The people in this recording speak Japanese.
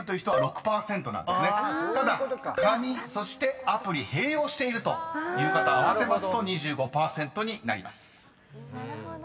［ただ紙そしてアプリ併用しているという方合わせますと２５％になります］